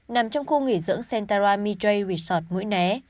nằm trong khu nghỉ dưỡng sentara midway resort mũi né